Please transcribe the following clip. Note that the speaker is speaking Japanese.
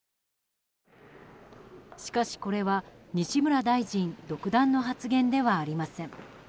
しかし、これは西村大臣独断の発言ではありません。